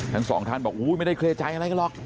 ทั้งสองท่านบอกไม่ได้เคลียร์ใจอะไรกันหรอก